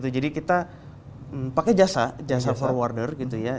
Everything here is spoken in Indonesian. jadi kita pakai jasa jasa forwarder gitu ya